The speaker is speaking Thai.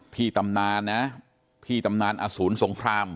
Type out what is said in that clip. ตำนานนะพี่ตำนานอสูรสงคราม